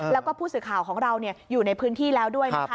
แล้วก็ผู้สื่อข่าวของเราอยู่ในพื้นที่แล้วด้วยนะคะ